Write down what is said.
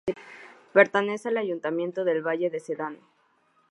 Pertenece al Ayuntamiento de Valle de Sedano.